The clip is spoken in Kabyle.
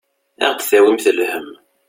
Ad aɣ-d-tawimt lhemm.